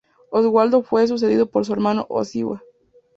Oswaldo fue sucedido por su hermano Oswiu.